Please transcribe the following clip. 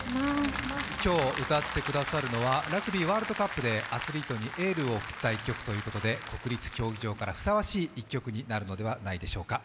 今日、歌ってくださるのはラグビーワールドカップでアスリートにエールを送った１曲ということで国立競技場からふさわしい１曲になるのではないでしょうか。